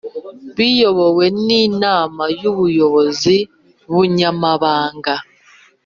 Biyobowe n inama y ubuyobozi ubunyamabanga